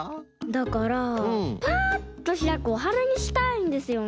だからパッとひらくおはなにしたいんですよね。